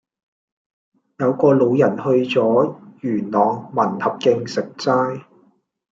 有個老人去左元朗民合徑食齋